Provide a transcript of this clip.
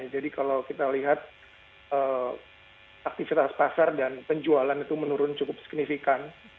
jadi kalau kita lihat aktivitas pasar dan penjualan itu menurun cukup signifikan